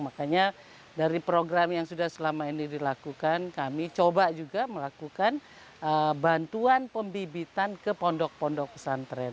makanya dari program yang sudah selama ini dilakukan kami coba juga melakukan bantuan pembibitan ke pondok pondok pesantren